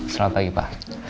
selamat pagi pak